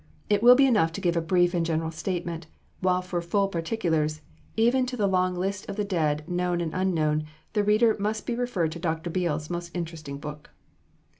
It will be enough to give a brief and general statement, while for full particulars, even to the long list of the dead, known and unknown, the reader must be referred to Dr. Beale's most interesting book.